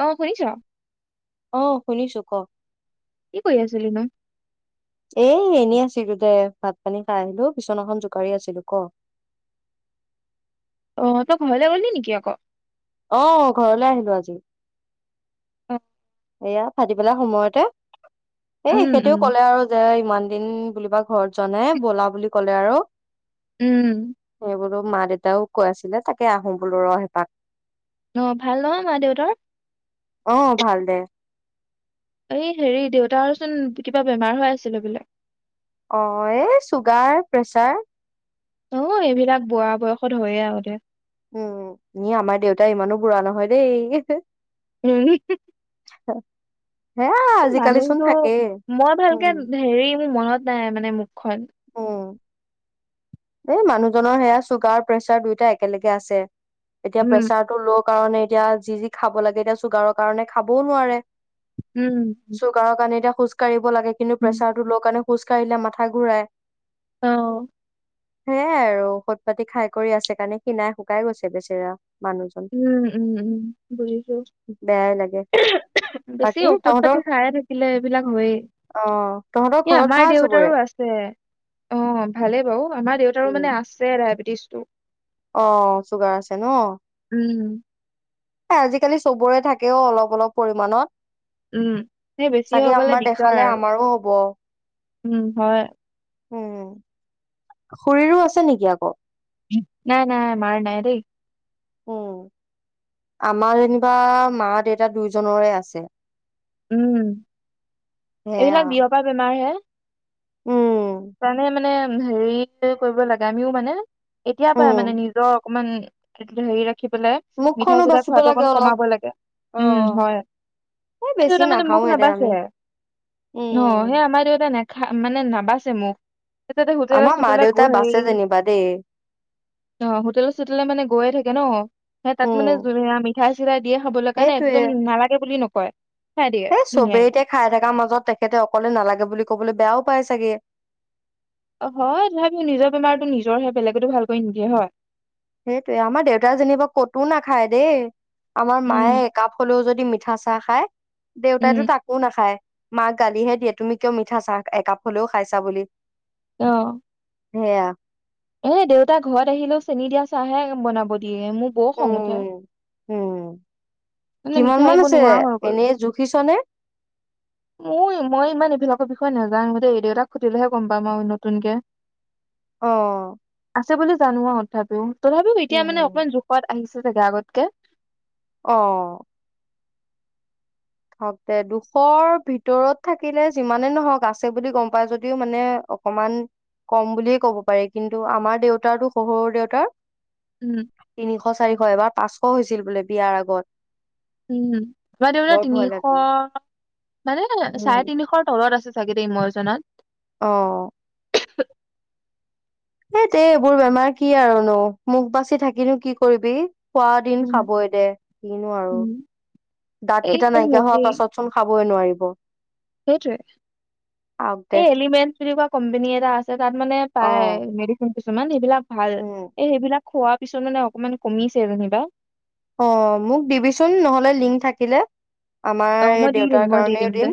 অ- শুনিছ? অ- শুনিছো ক- কি কৰি আছিলি নো? এ- এনেই আছিলো দে। ভাত-পানী খাই আহিলো। বিচনাখন জোকাৰি আছিলো। ক- অ- তই ঘৰলে গলি নেকি আকৌ? অ- ঘৰলৈ আহিলো আজি। অ- এয়া ভাতিবেলা সময়তে। উম এখেতেও উম ক'লে আৰু যে ইমান দিন বুলিবা ঘৰত যোৱা নাই। ব'লা বুলি ক'লে আৰু। উম এইবো মা-দেউতাও কৈ আছিলে তাকে আহো বোলো ৰ'হ এপাক। অ' ভাল নহয় মা-দেউতাৰ? অ' ভাল দে। এই হেৰি দেউতা আৰু চোন কিবা বেমাৰ হৈ আছিলে বোলে অ এই চুগাৰ। প্ৰেচাৰ। অ এইবিলাক বুঢ়া বয়সত হয়য়ে আৰু দে। উম। ই আমাৰ দেউতা ইমানো বুঢ়া নহয় দেই। উম। হ মানুহটো মই ভালকে উম হেৰি মোৰ মনত নাই, মানে মোক মুখ খন দেই মানুহজনৰ সেয়া চুগাৰ-প্ৰেছাৰ দুয়োটা একেলগে আছে এতিয়া উম প্ৰেচাৰ টো ল' কাৰণে এতিয়া যি যি খাব লাগে এতিয়া চুগাৰৰ কাৰণে খাবও নোৱাৰে উম চৌগৰৰ কাৰণে এতিয়া খোজ কাঢ়িব লাগে কিন্তু উম, প্ৰেছাৰটো ল'ৰ কাৰণে খোজ কাঢ়িলে মাথা ঘূৰাই অ সেয়াই আৰু ঔখত পাতি খাই কৰি আছে কাৰণে শিনাই শুকাই গৈছে বেচিৰা উম উম উম বুজিছো বেয়াই লাগে বেছি বাকী ঔষধ পাতি তহঁতৰ খাইে থাকিলে এইবিলাক হয়ে অ' তহঁতৰ এই ঘৰত আমাৰ ভাল চবৰে? দেউতাৰো আছে অ ভালেই বাৰু আমাৰ দেউতাৰো উম, মানে আছে ডায়েবেটিছ টো অ চুগাৰ আছে ন উম আজিকালি চবৰে থাকেও অলপ অলপ উম সেই পৰিমানত বেছি হৈ চাগে গ'লে আমাৰ দিগদাৰ দেখালে আৰু আমাৰো হব উম হয় উম খুৰীৰো আছে নেকি আকৌ নাই নাই মাৰ নাই দ উম আমাৰ যেনিবা মা দেউতা দুইজনৰে আছে উম সেয়া এইবিলাক বিয়পা বেমাৰ হে উম প্ৰানে মানে হেৰি কৰিব লাগা আমিও মানে এতিয়াৰ পৰা উম মানে নিজৰ অকমান এ লে ৰাখ [unintelligible] ৰাখি পেলাই মিঠাই মুখখনো চিঠাই বাচিব খোৱাটো লাগে অকণ অলপ কমাব লাগে অ উম হয় এই বেছি দেউতা মানে মখ নাখাওৱে দে নাবাচে আমি অ সেই উম আমাৰ দেউতা নে্স [unintelligible] খা মানে নাবাচ [unintelligible] চম াতে হোটেলৰ আমাৰ মা চোটেলে গ দেউতাই হেৰি বাচে যেনিবা দেই অ হোটেলৰ চোটেললে মানে গৈয়ে থাকে ন সেই তাত উম মানে জো আমি খশিৰা [unintelligible] দিয়ে খাবলৈ কাৰণে একদম নালাগে বুলি নক হয় এ চবেই এতিয়া খাই থকাৰ মাজত তেখেতে অকলে নালাগে বুলি কবলৈ বেয়াও পাই চাগে হয় তথাপিও নিজৰ বেমাৰটো নিজৰহে বেলেগেতো ভালক নিদিয়ে হয় সেইটোয়ে আমাৰ দেউতা যেনিবা কতো নাখায় দেই আমাৰ মায়ে উম একাপ হলেও যদি মিঠা চাহ খায় দেউতাইতো উম তাকো নাখায় মাক গালিহে দিয়ে তুমি কিয় মিঠা চাহ একাপ হলেও খাইছা বুলি অহ সেয়া এ দেউতা ঘৰত আহিলেও চেনি দিয়া চাহে বনাব দিয়ে মোৰ বৰ খং উঠে উম উম মানে কিমান মান মিঠাই আছে বনোৱাৰা হৈ গ'ল এনেই জুখিছনে মোৰ মই ইমান এইবিলাক বিষয়ে নেজানো দেই দেউতাক সুধিলেহে গম পাম মই নতুনকে অ আছে বুলি জানো তথাপিও তথাপিও এতিয়া মানে উম, অকমান জোখত আহিছে থাকে আগতকে অ হওক দে দুশৰ ভিতৰত থাকিলে যিমানে নহওক আছে বুলি গম পায় যদিও মানে অকমান কম বুলিয়ে কব পাৰি কিন্তু আমাৰ দেউতাৰটো শহুৰ দেউতাৰ উম তিনিশ চাৰিশ এবাৰ পাঁচশ হৈছিল বোলে বিয়াৰ আগত উম তোমাৰ দেউতাৰ বৰ ভয় তিনিশ লাগে। মানে উম, চাৰে তিনিশৰ তলত আছে চাগে দেই মই জানা অ এ তে এইবোৰ বেমাৰ কি আৰু নো মোক বাচি থাকিনো কি কৰিবি খোৱা দিন উম, খাবই দে কিনো আৰু উম। দাঁত এই কেইটা নাইকিয়া হোৱাৰ পাছত চোন খাবই নোৱাৰি হব সেইটোয়ে দে এই এলিমেন্ট বুলি কোৱা কোম্পনী এটা আছে তাত মানে পায় অ', মেডিচিন কিছুমান এইবিলাক ভাল উম, এ সেইবিলাক খোৱা পিছত মানে অকমান কমিছে যেনিবা। অ মোক দিবিচোন নহ'লে লিংক থাকিলে। আমাৰ অ এই মই দি দিম দেউতাৰ মই দি কাৰণেও দিম দে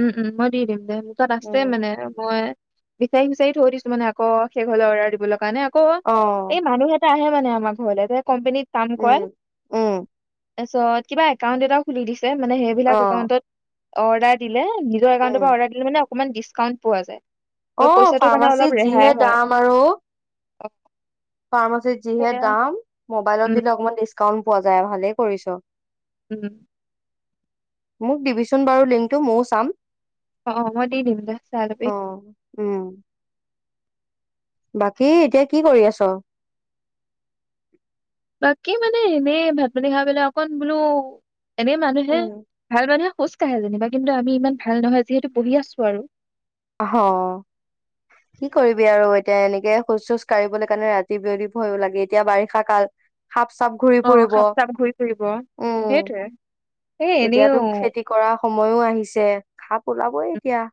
উম উম মই দি দিম দে তই আছে মানে উম মই বিচাৰি বিচাৰি থৈ দিছো মানে আক শেষ হলে অৰ্ডাৰ দিবলৈ কাৰণে ক অ এই মানুহ এটা আহে মানে আমাৰ ঘৰলে কোম্পানীত কাম উম কৰে। উম তাৰপিছত কিবা একাউণ্ট এটা খুলি দিছে। মানে অ সেইবিলাক একাউন্টত অৰ্ডাৰ দি নিজৰ উম একাউণ্টৰ পৰা অৰ্ডাৰ দিলে মানে অকমান ডিচকাউণ্ট পোৱা যায়। অ পইচাটো মানে ফাৰ্মাচীত যিহে দাম আৰু অহ ফাৰ্মাছিত যিহে দাম মোবাইলত উম দিলে অকণমান ডিছকাউণ্ট পোৱা যায় ভালেই কৰিছ। উম মোক দিবিচোন বাৰু লিংকটো ময়ো চাম। অ মই দি দিম দে চাই লবি। অ উম। বাকী এতিয়া কি কৰি আছ? বাকী মানে এনেই ভাত পানী খাই পেলাই অকণ বোলো এনেই মানুহে উম ভাল মানুহে খোজকাঢ়ে যেনিবা কিন্তু আমি ইমান ভাল নহয় যিহেতু বহি আছো আৰু। অ কি কৰিবি আৰু এতিয়া এনেকে শোজ চোজ কাঢ়িবলৈ কাৰণে ৰাতি বিয়লি ভয় লাগে এতিয়া বাৰিষা কাল সাপ চাপ ঘূৰি অ ফুৰিব সাপ চাপ ঘূৰি ফুৰিব উম সেইটোৱে এ এনেও এতিয়াতো খেতি কৰা সময়ো আহিছে সাপ ওলাবই এতিয়া।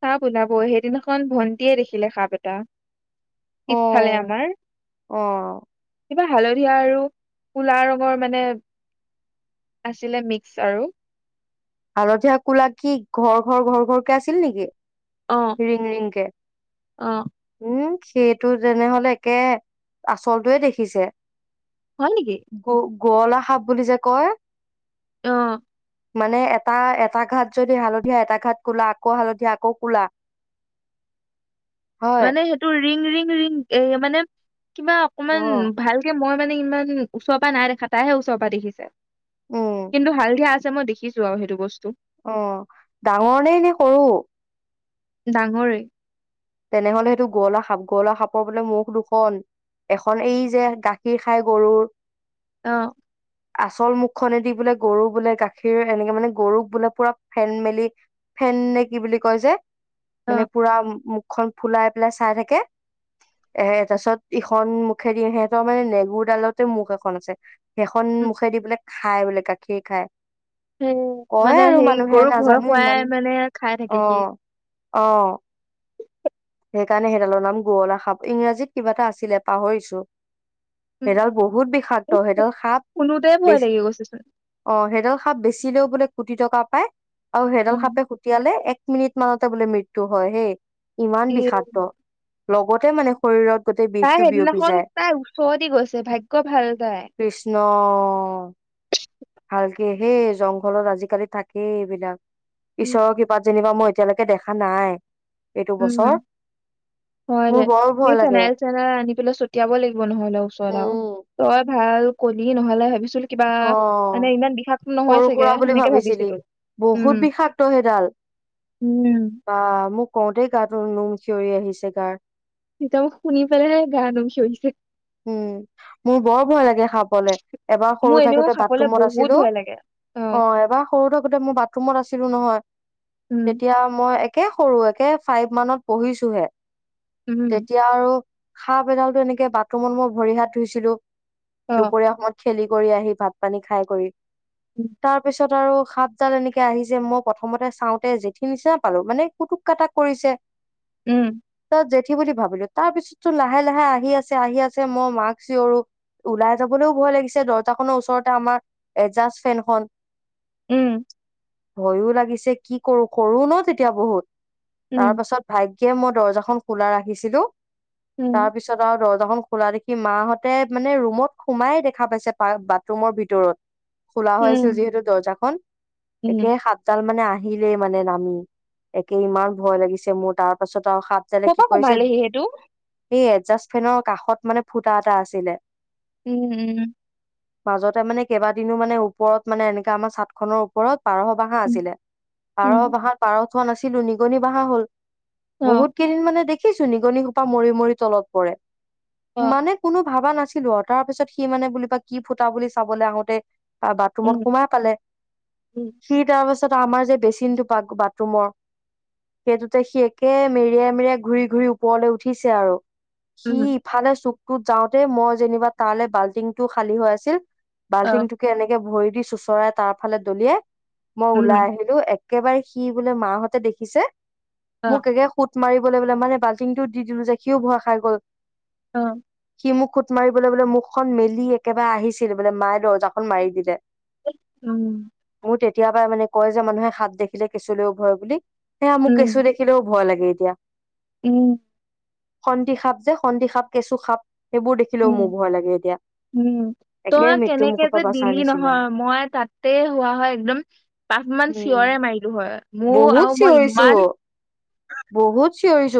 চাপ ওলাবই, সেইদিনাখন ভণ্টিয়ে দেখিলে সাপ এটা। অ পিছফালে আমাৰ। অ কিবা হালধীয়া আৰু কুলা ৰঙৰ মানে আছিলে মিক্স আৰু। হালধীয়া কোলা কি ঘৰ ঘৰ ঘৰ ঘৰকে আছিল নেকি? অ ৰিংৰিংকে অ উম। সেইটো তেনেহলে একে আচলটোৱে দেখিছে। হ'লনেকি? গঁৱলা সাপ বুলি যে কয়। অহ মানে এটা এটা ঘাট যদি হালধীয়া এটা ঘাট কোলা আকৌ হালধীয়া আকৌ কলা। মানে সেইটো ৰিং ৰিং ৰিং এই মানে। কিবা অ অকমান ভালকে। মই মানে ইমান ওচৰ পৰা নাই দেখা তাইহে ওচৰৰ পৰা দেখিছে। উম কিন্তু হালধিয় আছে। মই দেখিছো আৰু সেইটো বস্তু। অ ডাঙৰ নে নে সৰু। ডাঙৰেই। তেনেহলে সেইটো গঁলা সাপ গঁলা সাপৰ বোলে মুখ দুখন এখন এই যে গাখীৰ খাই গৰুৰ। অ। আচল মুখনেদি বোলে গৰু বোলে গাখীৰ এনেকে মানে গৰুক বোলে পুৰা ফেন মেলি ফেন নে কি বুলি কয় যে। মানে অ' পুৰা। খন ফুলাই পেলাই চাই থাকে এ তাৰপাছত ইখন মুখেদি সিহঁতৰ মানে নেগুৰ ডালতে মুখ এখন আছে। সেইখন উম, মুখে দি বোলে খাই বোলে কাক। কি খাই? সেই কয় মানে আৰু সেই মানুহে গৰুক ভয় নাজানো ইমান খুৱাই মানে, খাই অ থাকে সি। অ অ [unintelligible] সেইকাৰণে সেইডালৰ নাম গৰলা সাঁপ। ইংৰাজীত কিবা এটা আছিলে পাহৰিছো। উম, সেইডাল বহুত বিষাক্ত এই সেইডাল সাপ শুনোতে ভয় বেছি লাগি গৈছেচোন। অ সেইডাল সাপ বেছিলেও বোলে। কোটি টকা পাই। আৰু হেইডাল সাপে শুটিয়ালে এক। এক মিনিট মানতে বোলে মৃত্যু হয় হেই। ইমান ই বিষাক্ত। লগতে মানে শৰীৰত গোটেই তাই বিষটো বিয়পি সেইদিনাখন যায় তাই ওচৰতে গৈছে, ভাগ্য ভাল কৃষ্ণ তাই। হে জংঘলত আজিকালি থাকেই এইবিলাক। উম, ঈশ্বৰৰ কৃপাত যেনিবা মই। এতিয়ালৈকে দেখা নাই। এইটো উম বছৰ হয় মোৰ বৰ দে ভয় লাগে ফেনাইল চেনাইল আনি পেলাই ছটিয়াব লাগিব নহ'লে ওচৰত আও। উম তই, ভাল কলি নহ'লে ভাবিছিলো কিবা অ মানে ইমান বিষাক নহয় সৰু চাগে সুৰা বুলি সেনেকে ভাবিছিলি ভাবিছিলো। বহুত উম বিষাক্ত সেইডাল উম বা মোক কওঁতেই গাটোৰ নোম থিয়ৰি আহিছে গাৰ। তেতিয়া মোক শুনি পেলাইহে গা নোম হিঞৰিছে। উম মোৰ বৰ ভয় লাগে সাপলে। এবাৰ মোৰ সৰু এনেও থাকোতে সাপলে বাথৰুমত বহুত আছিলো, ভয় লাগে অ এবাৰ সৰু থাকোতে মই বাথৰুমত আছিলো নহয়। উম তেতিয়া মই। একে সৰু একে ফাইভ মানত পঢ়িছোহে। উম তেতিয়া আৰু। সাপ এডালতো এনেকে বা [unintelligible] মই ভৰি হাত ধুইছিলো। অ দুপৰীয়া সময়ত। খেলি কৰি আহি ভাত পানী খাই কৰি। উম তাৰপিছত? আৰু সাপডাল এনেকে আহিছে। মই প্ৰথমতে চাওঁতে জেঠি নিচিনা পালো মানে কুটুক, কাটাক কৰিছে। উম। জেঠি বুলি ভাবিলো তাৰ পিছতো লাহে, লাহে আহি আছে। আহি আছে, মই মাক চিঞৰো ওলাই যাবলৈও ভয় লাগিছে, দৰ্জাখনৰ ওচৰতে আমাৰ এজাজ ফেনখন। উম। ভয়ো লাগিছে কি কৰো, কৰো ন তেতিয়া বহুত তাৰ উম পাছত ভাগ্য কিয় মই দৰ্জাখন খোলা ৰাখিছিলোঁ। উম তাৰপিছত আও দৰ দৰ্জাখন খোলা দেখি মাহঁতে মানে ৰুমত সোমাই দেখা পাইছে, বাথৰুমৰ ভিতৰত। খোলা হৈ আছিল উম যিহেতু দৰ্জাখন। একে উম সাপডাল মানে আ আহিলেই মানে নামি, একে ইমান ভয় লাগিছে মোৰ। তাৰ পাছত, আৰু ক'ৰপা সোমালেহি সেইটো? সেই এডজাষ্ট ফেনৰ কাষত মানে ফুটা এটা আছিলে। উম, উম। মাজতে মানে কেইবাদিনো মানে ওপৰত মানে এনেকা আমাৰ চাট খনৰ ওপৰত পাৰহ বাহা উম আছিলে, পাৰহ উম বাহাত পাৰ চোৱা নাছিলো নিগনি বাহা হ'ল। অ বহুত কেইদিন মানে দেখ ছো নিগনি সোপা মৰি-মৰি তলত পৰে। অ মানে কোনো ভাবা না ছিলো আৰু। তাৰ পিছত সি মানে বুলি বা কি ফুটা বুলি চাবলে আহোতে তাৰ বাথৰুমত উম সোমাই পালে। উম সি তাৰপাছ তাত আমাৰ যে বেচিনটো পাক বাথৰুমৰ সেইটোতে সি একে মেৰিয়াই-মেৰিয়াই, ঘূৰি-ঘূৰি ওপৰলৈ উঠিছে আৰু। উম সিত ফানে চুকটোত যাওঁতে, মই যেনিবা তালে বাল্টিংটো খালী হৈ আছিল অ বাল্টিং টোকে এনেকে ভৰি চোচৰাই তাৰ ফালে দলিয়াই মই উম ওলাই আহিলো এক। একেবাৰে সি বোলে মাহঁতে দেখিছে। অ মোক একে সুত মাৰিবলৈ বোলে মানে বাল্টংটো দি দিলো যে সিও ভয় খাই গ'ল। অ'। সি মোক খুত মাৰিবলৈ বোলে মুখখন মেলি একেবাৰে আহিছিল বোলে মায়ে দৰ্জাখন মাৰি দিলে। উম। তেতিয় পৰা মানে কয় যে মানুহে সাপ দেখিলে কেছুলৈ ভয় বুলি। সেয়া মোক উম, কেঁচু দেখিলেও ভয় লাগ [unintelligible] উম। সন্দি সাপ যে সন্দি সাপ, কেঁচু সাপ। সেইবোৰ দেখিলেও উ মোৰ ভয় লাগে এতিয়া উম, একে তই মৃত্যু কেনেকে মুখৰ পৰা যে বাচাৰ দিলি নিচিনা নহয়। মই তাতে হোৱা হয়, একদম পাঁচান উম চিঞৰে মাৰিলো হয়। মোৰ বহুত আৰু মই ইমান। চিঞৰি।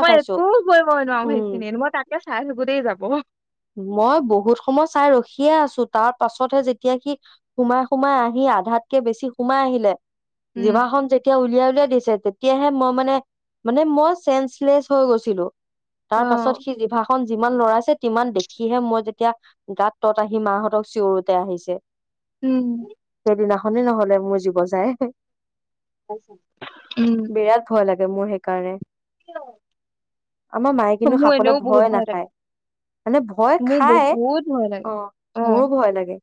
মই একো বৈ [unintelligible] অঁ উম সেইখিনিত মই তাকে। চাই থাকোঁতেই যাব। মই বহুত সময় চাই ৰখিয়ে আছো তাৰ পাছতহে যেতিয়া সি সোমাই সোমাই আহি আধাতকে বেছি সোমাই আহিলে, উম জিভাঁ খন যেতিয়া উলিয়াই। দিচে তেতিয়াহে মই মানে, মানে মই চেন্স লেছ হৈ গৈছিলো। তাৰ পাছত অ', সি জিভাখন। যিমান লৰাছে টিমান দেখ। দে সিহে মই যেতিয়া গাত তত আহি মাহঁতক চিঞৰোতে আহিছে। উম। দিনাখনে নহলে মোৰ জীৱন যায়। [unintelligible] উম। বিৰাট ভয় মোৰ সেইকাৰণে। আমাৰ মায়ে কিন্তু মোৰ সাপলে এনেও বহুত ভয় লাগে নাখায়। মানে ভয় মোৰ খাই, বহুত ভয় অ লাগে অ', মোৰো ভয় লাগে।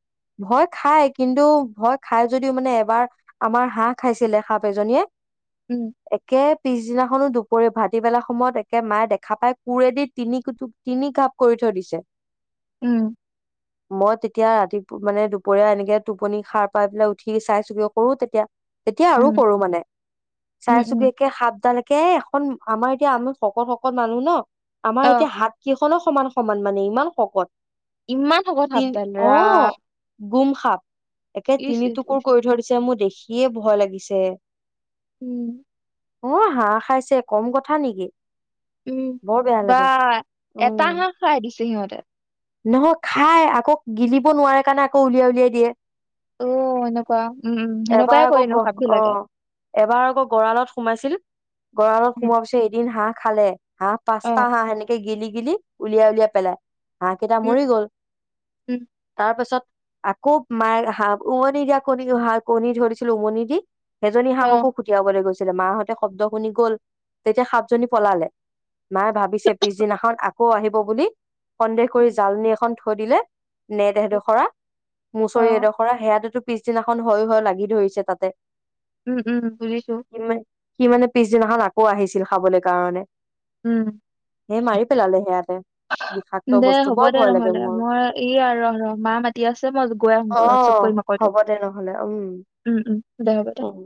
ভয় খাই কিন্তু ভয় খাই যদিও মানে এবাৰ আমাৰ হাঁহ খাইছিলে সাপ এজনীয়ে, উম, একে পিছদিনাখনো দুপৰীয়া ভাটিবেলা, সময়ত একে মায়ে দেখা পায় কোৰেদি তিনি কুু তিনি কাপ। কৰি থৈ দিছে। উম। মই তেতিয়া ৰাতিপুৱা মানে দুপৰীয়া এনেকে টোপনি সাৰ পাই পেলাই উঠি চাইছোঁ গে সৰু তেতিয়া। তেতিয়া আৰু উম, সৰু মানে উম, চাইছোঁ উম, গে একে সাপডালে। কে এখন আমাৰ এতিয়া আমি শকত শকত মানুহ ন। আমাৰ অ', এতিয়া হাত কি। কন সমান। সমান মানে ইমান সকত। ইমান শকত সাপডাল ৰাম। সাত একে ইচ, তিনি ইচ, ইচ, টুকুৰ কৰি থৈ দিছে মই দেখি। সিয়ে ভয় লাগিছে। উম। অ হাঁহ খাইছে কম কথা নেকি। উম বৰ বেয়া বা লাগে এটা উম। হাঁহ খাই দিছ। সিহঁতে। নহয় খাই আকৌ গিলিব নোৱাৰে কাৰণে আকৌ উলিয়াই উলিয়াই দিয়ে। অ এনেকুৱা উম উম সেনেকুৱাই এবাৰ আকৌ কৰেনো গ সাপ অ বিলাকে এবাৰ আকৌ গঁৰালত সোমাইছিল। গঁৰালত উম সোমোৱাৰ পিছত এদিন হাঁহ। খালে। হা অ পাস্তা হা সেনেকে গেলি। গিলি উলিয়াই উলিয়াই পেলাই। হাঁহকেইটা উম মৰি গ'ল উম তাৰ পিছত। আৰু খ'ব মায় হ উমনি যা ক কী ধৰিছিল উমনি যি। সেইজনী অ হাঁহকোুটিয়াবলৈ গৈছে। মাহাহঁতে শব্দ শুনি গল তেতিয়া সাতজনী পলালে মায়ে ভাবিছে পিছদিনাখন আকৌ আহিব বুলি। সন্দেহ কৰি জালনী এখন। থৈ দিলে। নেট এডোখৰা অ মুচৰি এডোখৰা সেয়াটোতো। পিছদিনাখন হৈ হৈ লাগি ধৰিছে তাতে। উম উম বুজিছো। সি মানে সি মানে পিছদিনাখন আকৌ আহিছিল খাবলৈ কাৰণে। উম সেই মাৰি পেলালে সেয়াতে বিষাক্ত। দে বস্তু হ'ব বৰ দে ভয় লাগে নহ'লে মোৰ মই ই আৰু মা মাতি আছে মই গৈ আহোম অ চকৈ মাকৈটো হ'ব দে নহ'লে উম উম উম দে হ'ব দে। উম